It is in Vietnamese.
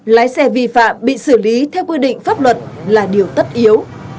lái xe vi phạm bị xử lý theo quy định pháp luật là điều tất yếu